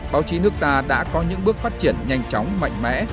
báo chí nước ta đã có những bước phát triển nhanh chóng mạnh mẽ